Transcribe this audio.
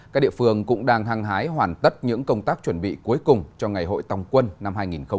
các địa phương cũng đang hăng hái hoàn tất những công tác chuẩn bị cuối cùng cho ngày hội tòng quân năm hai nghìn hai mươi